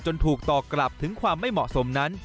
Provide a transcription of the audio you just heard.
ถูกต่อกลับถึงความไม่เหมาะสมนั้น